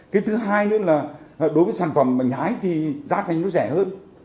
cái thứ hai nữa là đối với sản phẩm nhà hãi thì giá thành nó rẻ hơn